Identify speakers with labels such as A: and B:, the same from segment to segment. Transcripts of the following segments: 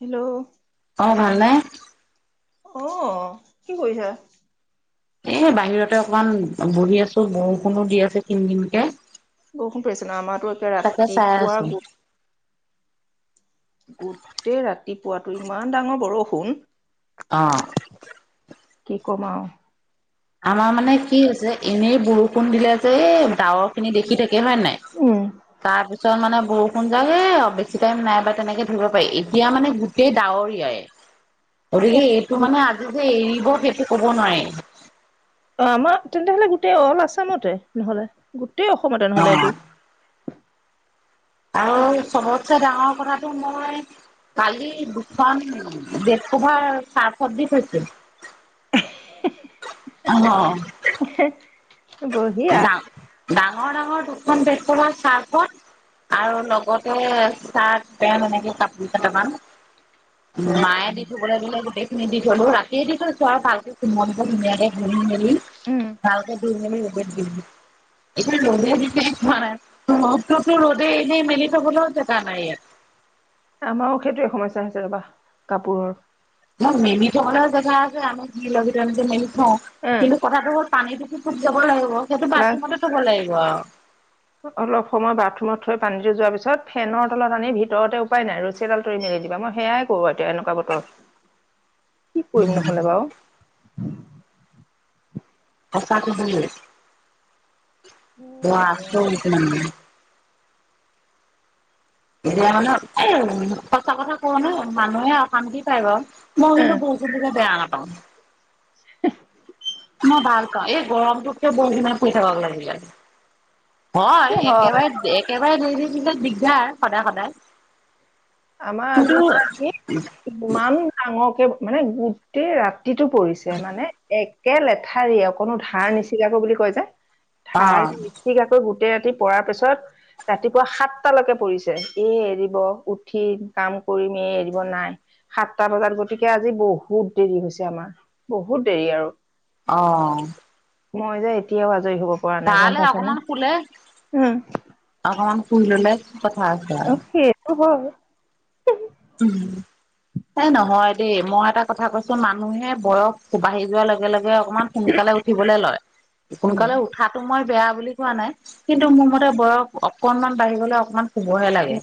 A: Hello
B: অ ভাল নে?
A: অহ কি কৰিছা?
B: এ' বাহিৰতে অকমান বহি আছো। বৰষুণো দি আছে কিন, কিন কে-
A: বৰষুণ পৰিছে ন। আমাৰটো একে
B: আছো
A: ৰাতিপুৱাৰ- গোটেই ৰাতিপুৱাত টো ইমান ডাঙৰ বৰষুণ
B: অ
A: কি' কম আও
B: আমাৰ মানে কি' হৈছে- এনেই বৰষু ণ দিলে যে' এই ডাৱৰ- খিনি দেখি থাকে কে হয়' নাই
A: উম
B: তাৰপিছত মানে- বৰষুণ জাক এ' আৰু বেছি টাইম নাই বা' তেনেকে। ধৰিব পাৰি এতিয়া মানে গো টেই ডাৱৰীয়াই
A: অ
B: গতিকে' এইটো মানে আজি যে এৰিব সেইটো ক'ব নোৱাৰি। [unintelligible]
A: অঁহ আমৰ তেন্তে হ'লে গো টেই অ'ল আছামতে নহ'লে। গোটই অসমতে
B: অ
A: নহ'লে এইটো।
B: আৰু চবতকৈ ডাঙৰ কথাটো মই কালি দুখন বেড- কভাৰ চাৰ্ফত দি থৈছো।
A: হে হ হে
B: অ
A: হে এহে বঢ়িয়া
B: ডা ডাঙৰ ডাঙৰ দুখন বেড- কভাৰ চাৰ্ফত, আৰু লগতে চাৰ্ট, পেণ্ট এনেকে কাপোৰ কেইটামান। মায়ে দি' ধূবলে দিলে গোটেই খিনি দি থলো ৰাতিয়ে দি থৈছো আও ভালকে কোমলকে ধুনীয়াকে
A: উম
B: ভালকে দি নি একে ৰ'দে দিছে ৰ'দটোতো ৰদে এনে মেলি থবলেও জেগা নাই ইয়াত
A: আমাৰো সেইটোৱে সমস্যা হৈছে ৰবা কাপোৰৰ
B: ন মেমি থৰ জেগা আছেম য লি যে ম [unintelligible] অ
A: উম
B: কিন্তু কথাটো হ'ল পানীটোখো খুব যাব লাগিব সটো
A: লাগ
B: বাথৰুমতে থ'ব লাগিব [unintelligible] আহ
A: অলপ সময় বাথৰুমত থৈ পানীটো যোৱাৰ পিছত ফেনৰ তলত আনি ভিতৰতে উপায় নাই ৰছী এডাল তৰি মেলি দিবা মই সেয়াই কৰো এতিয়া এনেকুৱা বতৰ কি কৰিম নহ'লে বাও
B: আচ ক অ
A: হয় দিয়া
B: এতিয়া মানে এই সঁচা কথা কওঁ ন মানুহে অ কান্ত পায় বাৰু [unintelligible] মই কিন্তু
A: উম,
B: বৰষুণ দিলে বেয়া না অ
A: [inaudible]
B: মই ভাল কাওঁ এই গৰমটোতকে বৰষুণে পৰি থাকক লাগিলে হয় একেবাৰে একে দি দি থাকিলে দিগদাৰ সদায় সদায়
A: আমাৰ
B: কিন্তু
A: আজি মানে কি ইমান ডাঙৰকে মানে গোটেই ৰাতিটো পৰিছে মানে একে লেঠাৰীয়ে অকনো ধাৰ নিচিগাকো বুলি কয় যে [unintelligible]
B: অ
A: ঠাই মঠ আকৈ গোই [unintelligible] গো ৰাতি পৰাৰ পিছত ৰাতিপুৱা সাতটালৈকে পৰিছে এ এৰিব উঠিম কাম কৰিমেই এৰিব নাই সাতটা বজাত গতিকে আজি বহুত দেৰি হৈছে আমাৰ বহুত দেৰি আৰু
B: আহ
A: মই যে এতিয়াও আজৰি হ'ব পৰা নাই
B: ভাল
A: গম পাইছানে
B: অকমান শুলে
A: উম
B: অকমান [unintelligible] স্কুললৈ পথা [unintelligible]
A: খবৰ [unintelligible]
B: এই নহয় দেই মই এটা কথা কৈছো মানুহে বয়স সোবাঢ়ি যোৱাৰ লগে লগে [unintelligible] অকমান সোনকালে উঠিবলৈ লয়
A: উম
B: সোনকালে উঠাটো মই বেয়া বুলি কোৱা নাই কিন্তু মোৰ মতে বয়স অকনমান বাঢ়ি গলে অকমান শুবহে লাগে।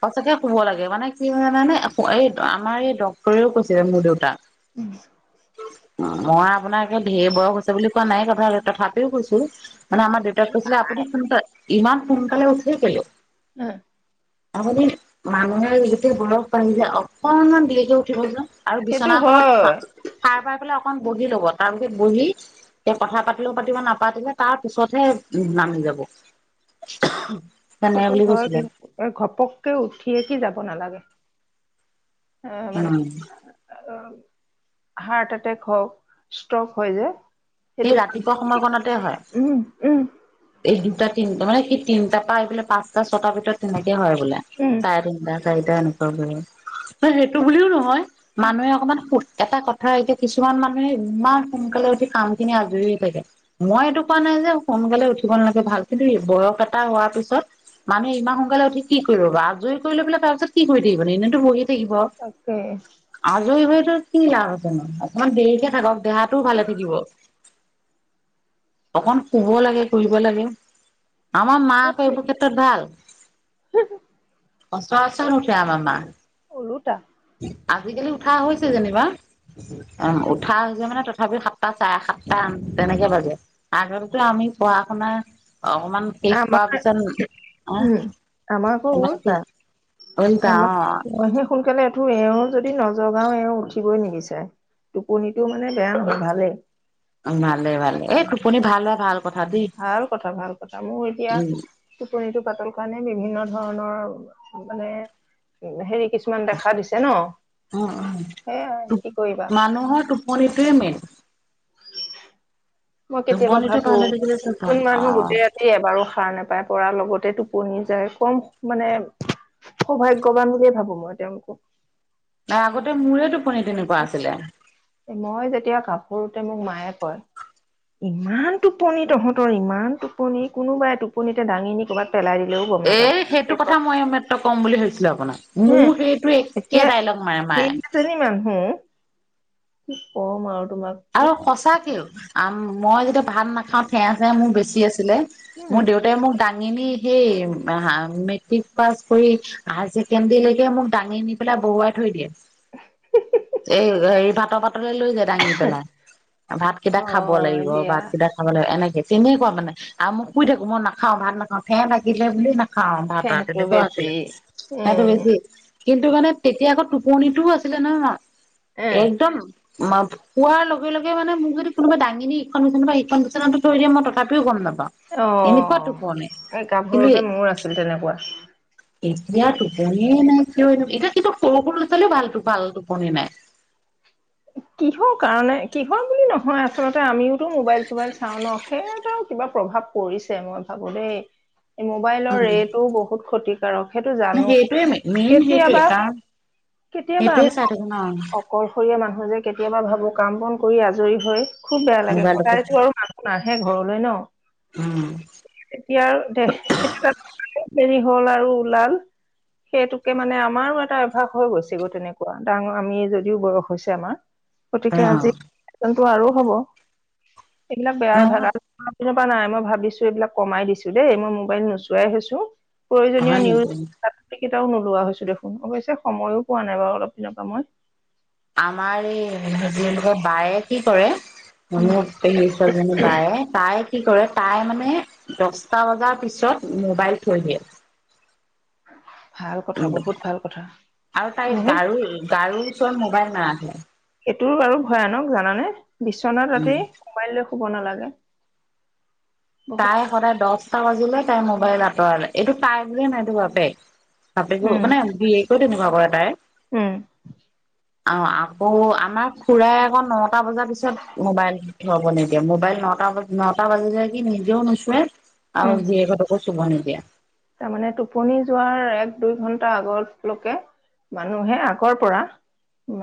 B: সঁচাকে শুব লাগে মানে কি হয় জানা নে এই আমাৰ এই ডক্টৰেও কৈছিলে মোৰ দেউতাক
A: উম
B: মই আপোনাৰকে ঢেৰ বয়স হৈছে বুলি কোৱা নাই কথা তথাপিও কৈছো। মানে আমাৰ দেউতাক কৈছিলে আপুনি ফোন তা ইমান সোনকালে উঠেই কেলে?
A: উম
B: আবদি মানুহৰ যেতিয়া বয়স বাঢ়িজাই অকমান উঠিব যে আৰু
A: সেইটো
B: বিছনাখনত
A: হয়
B: সা সাৰ পাই পেলাই অকন বহি লব তাৰপিছত বহি এ কথা পাতিলেও পাতিব নাপাতিলে তাৰ পিছতহে উ নামি যাব। উহঃ
A: সেইটো হয় কিন্ এ ঘপককে উঠি যাব নালাগে অ মানে
B: উম
A: অ হাৰ্ট এটেক হওক ষ্ট্ৰক হয় যে
B: সেই
A: সেইটো চান্স।
B: ৰাতিপুৱা সময়কণতে হয়
A: উম উম
B: এই দুটা তিনটা, মানে কি তিনটাৰ পৰা এফালে পাঁচটা ছটা ভিতৰত তেনে কে হয় বুলে
A: উম
B: চাৰে তিনটা চাৰিটা এনেকুৱাবোৰত সেই সেইটো বুলিও নহয় মানুহে অকমান সু- এটা কথা এতিয়া কিছুমান মানুহে ইমান সোনকালে উঠি কাম খিনি আজৰি হৈ থাকে মই এইটো কোৱা নাই যে সোনকালে উঠিব নালাগে ভাল কিন্তু বয়স এটা হোৱাৰ পিছত মানুহে ইমান সোনকালে উঠি কি কৰিব ল আজৰি কৰি লৈ পেলাই তাৰ পিছত কি কৰি থাকিব ন এনেইতো বহি থাকিব।
A: তাকে
B: আজৰি হৈ কি লাভ আছে নো? অকমান দেৰিকে থাকক দেহাটো ভালে থাকিব। অকন শুব লাগে ফুৰিব লাগে। আমাৰ মা আকৌ এইবোৰ ক্ষেত্ৰত ভাল। সচৰাচৰ উঠে আমাৰ মা
A: উলোটা
B: আজিকালি উঠা হৈছে যেনিবা অ উঠা হৈছে মানে তথাপিও সাতটা চাৰে সাতটা তেনেকে বাজে আগতেতো আমি পঢ়া শুনা অকমান শেষ কৰাৰ
A: আমাৰ
B: পিছত অ
A: উম আমাৰ আকৌ
B: ইমান
A: উলটা
B: ওলটা
A: আমাৰ সে সোনকালে এওঁ যদি নজগাও এওঁ উঠিবই নিবিচাৰে টোপনিটো মানে বেয়া নহয় ভালেই।
B: ভালে ভালে এই টোপনি ভাল হোৱা ভাল কথা দেই
A: ভাল কথা ভাল কথা মোৰ
B: উম
A: এতিয়া টোপনিটো পাতল কাৰণে বিভিন্ন ধৰণৰ মানে হেৰি কিছুমান দেখা দিছে ন
B: উম উম
A: সেয়াই কি কৰিবা।
B: তোৱেমে
A: মই কেতিয়াবা ভাবো
B: ভাল অ
A: অকনমানো গোটেই ৰাতি এবাৰো সাৰ নাপাই পৰা লগতে টো- পনি যায় কম মানে সৌভাগ্যৱান বুলিয়ে ভাবো মই। তেওঁলোকক
B: নাই আগতে মোৰে টোপনি তেনেকুৱা আছিলে
A: মই যেতিয়া কাপোৰতে মোক মায়ে কয় ইমান টোপনি তহঁতৰ ইমান টোপনি কোনোবাই টোপনিতে দাঙি নি ক'ৰবাত পেলাই দিলেও গম
B: এ সেইটো
A: নাপাবি
B: কথা
A: কয়
B: মই এই মাত্ৰ ক'ম বুলি ভাবিছিলো আপোনাক
A: উম
B: মোৰ সেইটোৱে
A: এতিয়া
B: একে ডাইলগ মাৰে মায়ে
A: কি কম আৰু তোমাক কি
B: আৰু সঁচাকেও আম মই যেতিয়া ভাত নাখাওঁ সেয়া চেয়া মোৰ বেছি আছিলে
A: উম
B: মোৰ দেউতাই মোক দাঙি দাঙি নি সেই মেট্ৰিক পাছ কৰি হাই ছেকেণ্ডাৰীলৈকে মোক দাঙি নি পেলাই বহুৱাই থৈ দিয়ে [unintelligible]
A: হি হি [unintelligible]
B: এই হেৰি ভাতৰ পাতৰে লৈ যায় দাঙি পেলাই ভাত কেইটা খাব লাগিব ভাত কেইটা খাব লাগিব এনেকে তেনেকুৱা মানে আৰু মই শুই থাকো মই নাখাও ভাত নাখাওঁ ফেৰ লাগিলে বুলি নাওঁ [unintelligible] খাওঁ ভাত
A: সেহটো
B: তেনেকুৱা
A: বেছি
B: আছিলে ফেহটো
A: উম
B: বেছি কিন্তু মানে তেতিয়া আকৌ টোপনিটোও আছিলে নহয় ন
A: এ
B: একদম ম শুৱাৰ লগে লগে মানে মোক যদি কোনোবা দাঙিনী ইখন বিচনা বা সিখন বিচনাাতো থৈ দিয়ে মই তথাপিও গম নাপাম
A: অ
B: [unintelligible] এনেকুৱা টোপনি
A: এই
B: কিন্ত
A: গাভৰুতে মোৰ আছিল তেনেকুৱা
B: এতিয়া টোপনি এ নাই কিয় এনেকুৱা এতিয়া কিন্তু সৰু সৰু ল'ৰা-ছোৱালীৰয়ো ভালটো ভাল টোপনি নাই [unintelligible]
A: কিহৰ কাৰণে কিহৰ বুলি নহয় আচলতে আমিওটো মোবাইল চোবাইল চাওঁ ন সেই এটাও কিবা প্ৰভাৱ পৰিছে মই ভাবো দেই [unintelligible] মোবাইলৰ
B: উম
A: ৰেটো বহুত ক্ষতিকাৰক সেইটো জানো
B: সেইটোৱে মেইন সেইটোৱে
A: কেতিয়াবা
B: কাৰণ
A: কেতিয়াবা
B: সেইটোৱে
A: আমি
B: চাই থাকে ন
A: অকলশৰীয়া মানুহ [unintelligible] মই যে কেতিয়াবা ভাবোঁ কাম বন কৰি আজৰি হৈ খুব বেয়া লাগে
B: মোবাইলতে
A: সদায়তো আৰু মানুহ নাহে ঘৰলৈ ন
B: উম
A: এতিয়া আৰু দে দেৰি হ'ল আৰু ওলাল সেইটোকে মানে আমাৰো এটা অভ্যাস হৈ গৈছে গৈ তেনেকুৱা ডাঙৰ আমি যদিও বয়স হৈছে টেমা
B: অ
A: গতিকে আজি টো আৰু হ'ব এইবিলাক বেয়াই ভাল
B: নহয়
A: [unintelligible] [unintelligible] নাই মই ভাবিছো এইবিলাক কমাই দিছো দেই মই মোবাইল নোচোৱাই হৈছো প্ৰয়োজনীয়
B: হয়
A: নিউজ
B: নেকি
A: [unintelligible] কেইটাও নোলোৱা হৈছো দেখোন অৱশ্যে সময়ো পোৱা নাই বাৰু অলপ দিনৰ পৰা মই
B: আমাৰ এই হেৰি- বায়ে কি কৰে।
A: উম
B: মানুহ পেহী ছোৱালীজনী বায়ে তাই- কি কৰে তাই মানে দহটা বজাৰ পিছত মোবাইল থৈ দিয়ে।
A: হয়।
B: উম, আৰু তাই
A: বহুত
B: গাৰো - গাৰো চোৱা মোবাইল নাৰাখে।
A: এইটোৰ বাৰু ভয়ানক জানানে। বিচনাত
B: উম,
A: ৰাতি মোবাইল লৈ শুব নালাগে। বহুত
B: প্ৰায় সদায় দছ টা বাজিলে তাই মোবাইল আঁতৰালে এইটো তাই বুলিয়ে নহয় এইটো বাপে বাপেকো
A: উম
B: মানে [unintelligible] তাই
A: উম
B: অহ, আকৌ আমাৰ খুৰা আকৌ নটা বজাৰ পিছত মোবাইল ল'ব নিদিয়ে। মোবাইল নটা বজা নটা বাজি যায় সি নিজেও নোচোয়ে আৰু
A: উম
B: জীয়েকহতকো চুব নিদিয়ে।
A: তাৰমানে টোপনি যোৱাৰ এক দুই ঘন্টা আগলৈকে মানুহে আগৰ পৰা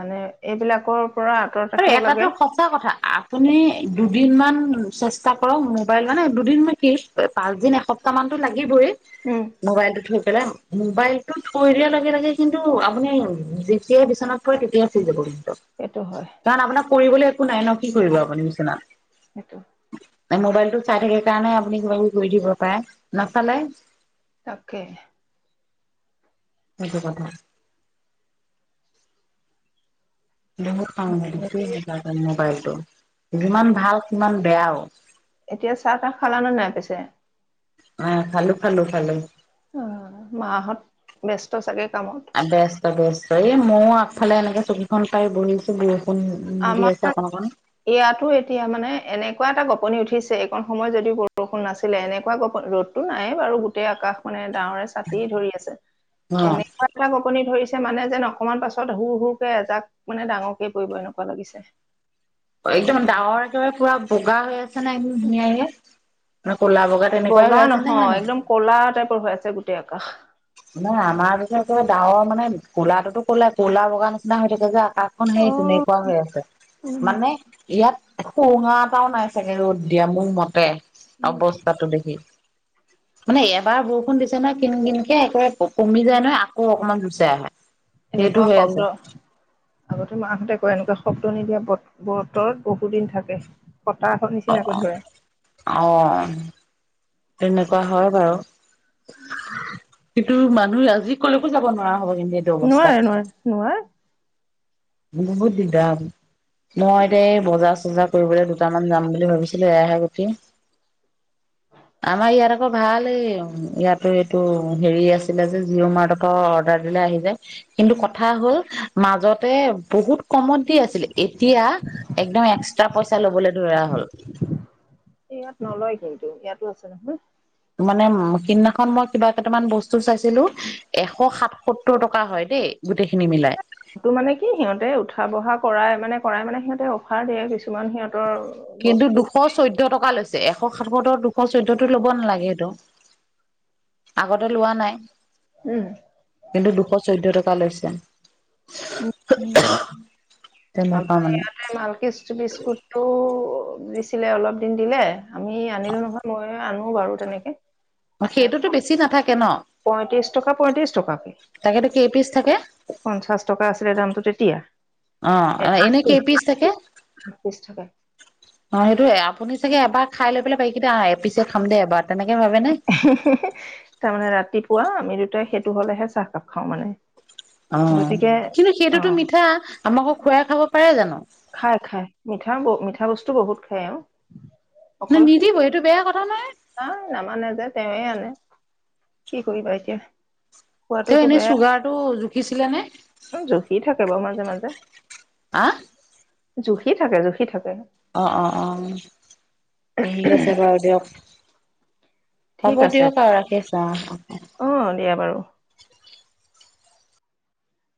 A: মানে এইবিলাকৰ পৰা আঁতৰত
B: আৰু
A: ৰাখিব
B: এটাটো
A: লাগে
B: সঁচা কথা আপুনি দুদিনমান চেষ্টা কৰক মোবাইল মানে দুদিন মান কি পাঁচদিন এসপ্তাহ মানতো লাগিবয়ে।
A: উম
B: মোবাইলটো থৈ পেলাই মোবাইলটো থৈ দিয়া লগে - লগে কিন্তু, আপুনি যেতিয়াই বিচনাত পৰে তেতিয়াই শুই যাব
A: সেইটো। হয়
B: কাৰণ আপোনাক কৰিবলৈ একো নাই ন' কি কৰিব আপুনি বিচনাত।
A: সেইটো।
B: তাই মোবাইলটো চাই থাকে কাৰণে আপুনি কিবা -কিবি কৰি থাকিব পাৰে। নাচালে
A: তাকে।
B: সেইটো কথা। বহুত খাওঁ
A: হেৰি,
B: [unintelligible] মোবাইলটো যিমান ভাল সিমান বেয়াওঁ।
A: এতিয়া চাহ-তাহ খালানে নাই পিছে?
B: অহ, খালো -খালো -খালো।
A: অহ, মাহত ব্যস্ত চাগে কামত
B: অহ, ব্যস্ত বেচ এই মইও আগফালে এনেকে চকীখন পাই বহি
A: আমাৰ ইয়াতো এতিয়া মানে এনে এনেকুৱা এটা গপনি উঠিছে এইকণ সময়ত যদি বৰষুণ নাছিলে এনেকুৱা গপন ৰ'দতটো নায়েই বাৰু গোটেই আকাশ খনে ডাৱৰে চাতি ধৰি আছে
B: অ
A: এনেকুৱা এটা গকনি ধৰি মানে যেন অকণমান পাছত সৰু -সৰুকে এজাক মানে ডাঙৰকে পৰিবই হেনো। লাগিছে।
B: একদম ডাঙৰ দৰে পুৰা। উগা হয়। [unintelligible]
A: বগা নহয়
B: নাই
A: একদম কলা টাইপৰ হৈ আছে গোটেই আকাশ।
B: নে আমাৰ বিষেশকৈ ডাঙৰ মানে ক'লাটোতো ক'লা কলা বগাৰ নিচিনা হৈ থাকে যে। আকাশখন
A: অ
B: সেই তেনেকুৱা হৈ আছে
A: উম
B: মানে ইয়াত। সু হা এটাও নাই চাগে ৰ'দ দিয়া মোৰ মতে। অৱস্থাটো দেখি। মানে এবাৰ বৰষুণ দিছে ন কিন কিন। একোৰে কমি যায় নহয় আকৌ অকমান জুচে আহা।
A: এনেকুৱা শব্দ আগতে মাক। বহুতেই কয় এনেকুৱা শব্দ নিদিয়া বতৰত বহুত দিন থাকে। কটা এখন নিচিনাকৈ ধৰে।
B: অ তেনেকুৱা হয় বাৰু। উ। উ মানুহে আজি ক'লেকো যাব নোৱাৰা। হ'ব কিন্তু এইটো অৱস্থাত
A: নোৱাৰে নোৱাৰে নোৱাৰে।
B: বহুত দিগদাৰ হ'ব মই এতিয়া এই বজাৰ চজাৰ কৰিবলৈ দুটামান যাম বুলি ভাবিছিলোঁ। এয়াহে গটি আমাৰ ইয়াত আকৌ ভাল এই ইয়াতো এইটো হেৰি আছিলে যে জিঅ' মাৰ্ট আকৌ অৰ্ডাৰ দিলে আহি যায়। কিন্তু কথা হ'ল। মাজত। বহুত কমত দি আছিলে। এতিয়া একদম এক্সট্ৰা পইচা ল'বলৈ ধৰা হ'ল।
A: ইয়াত নলয় কিন্তু ইয়াতো আছে নহয়।
B: মানে সিদিনাখন মই কিবা কেইটামান বস্তু। বস্তু চাইছিলোঁ এশ সাতসত্তৰ টকা। থকা হয় দেই। গোটেইখিনি মিলাই
A: সেটো মানে কি সিহঁতে উঠা বহা। কৰাই মানে কৰাই মানে সিহঁতে অফাৰ দিয়ে কিছুমান সিহঁত।
B: কিন্তু দুশ চৈধ্যয় টকা লৈছে। এশ সাতসত্তৰ দুশ চৈধ্যটো ল'ব নালাগে সেইটো। আগতে লোৱা নাই।
A: উম
B: কিন্তু দুশ চৈধ্যয় তা তালৈছে। [unintelligible]
A: উম উ
B: তেনেকুৱা
A: আমাৰ
B: মানে
A: ইয়াতে মালকৃষ্ট বিস্কুটটো। দিছিলে অলপ দিন দিলে আমি আনিলো নহয় মই আনো বাৰু তেনেকে
B: অ
A: এ
B: সেইটোতো বেছি নাথাকে ন
A: পঁয়ত্ৰিশ টকা পয়ত্ৰিশ টকাকে
B: তাকেতো কেই পিচ থাকে
A: পঞ্চাশ টকা আছিলে দামটো তেতিয়া [inaudible]
B: অ
A: এ আঠ
B: এনে কে পিচ চাগে
A: পিচ থাকে
B: অ সেইটো আপুনি চাগে এবাৰ খাই লৈ পেলাই। এতিয়া এ পিছে খাম দে এবাৰ তেনেকে ভাবে নে?
A: পুৱা আমি দুটাই সেইটো হলেহে চাহকাপ খাওঁ মানে
B: অ
A: গতিকে
B: কিন্তু সেইটোতো
A: অ'
B: মিঠা আমাকো খুৱাই খাব পাৰে জানো?
A: খাই খাই মিঠা মিঠা বস্তু বহুত খাই অউ। অকল
B: নিদিব সেইটো বেয়া কথা নহয়
A: হা নামানে যে তেৱে আনে কি কৰিব এতিয়া।
B: ত
A: খোৱাটোতো
B: এনেই
A: বেয়া
B: চুগাৰ টো জুখি ছিৰাজে?
A: টো
B: অহ
A: জুখি থাকে জুখি থাকে।
B: অ অ অ ঠিক আছে বাৰু দিয়ক। হ'ব
A: ঠিক আছে
B: দিয়ক আৰু ৰাখিছো অ
A: অ' দিয়া বাৰু।